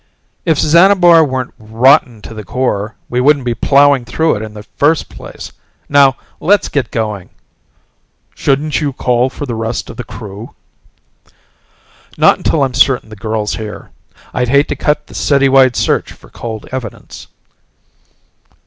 "If Xanabar weren't rotten to the core, we wouldn't be plowing through it in the first place. Now, let's get going." "Shouldn't you call for the rest of the crew?" "Not until I'm certain the girl's here. I'd hate to cut the city wide search for cold evidence."